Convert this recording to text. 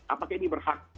apakah ini berhak